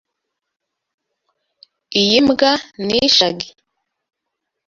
Iyi mbwa ni shaggy.